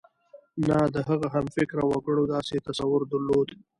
نه د هغه همفکره وګړو داسې تصور درلود.